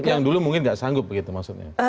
yang dulu mungkin tidak sanggup begitu maksudnya